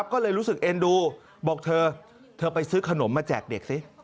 ก็เลยรู้สึกเอ็นดูบอกเธอเธอไปซื้อขนมมาแจกเด็กสิ